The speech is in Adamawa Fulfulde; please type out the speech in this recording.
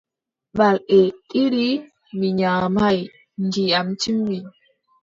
Balɗe ɗiɗi mi nyaamaay, ndiyam timmi.